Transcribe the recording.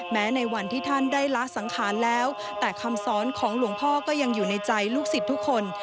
ในวันที่ท่านได้ละสังขารแล้วแต่คำสอนของหลวงพ่อก็ยังอยู่ในใจลูกศิษย์ทุกคน